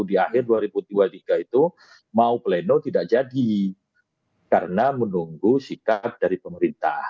di akhir dua ribu dua puluh tiga itu mau pleno tidak jadi karena menunggu sikap dari pemerintah